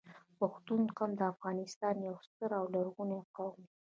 پښتون قوم د افغانستان یو ستر او لرغونی قوم دی